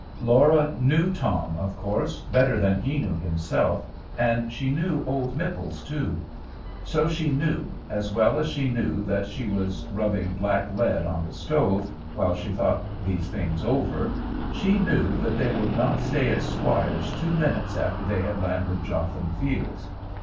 Laura knew Tom, of course, better than he knew himself, and she knew old Mipples too. So she knew, as well as she knew that she was rubbing black lead on the stove, while she thought these things over, she knew that they would not stay at Squire's two minutes after they had landed Jotham Fields.